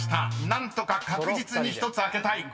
何とか確実に１つ開けたい］